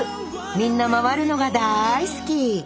みんな回るのが大好き！